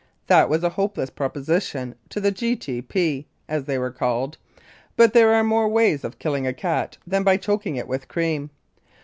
That was a hopeless proposition to the G.T.P., as they are called, but there are more ways of killing a cat than by choking it with cream.